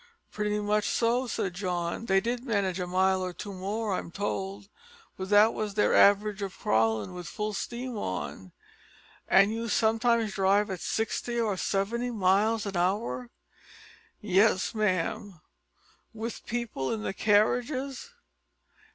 "Pretty much so," said John. "They did manage a mile or two more, I'm told, but that was their average of crawlin' with full steam on." "And you sometimes drive at sixty or seventy miles an hour?" "Yes, ma'am." "With people in the carriages?"